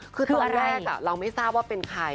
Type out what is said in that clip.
คือตอนแรกเราไม่ทราบว่าเป็นใคร